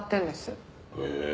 へえ！